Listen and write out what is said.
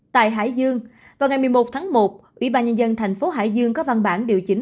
tại hải dương vào ngày một mươi một tháng một ủy ban nhân dân thành phố hải dương có văn bản điều chỉnh